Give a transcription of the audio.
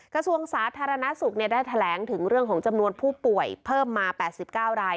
กระทรวงสาธารณสุขได้แถลงถึงเรื่องของจำนวนผู้ป่วยเพิ่มมา๘๙ราย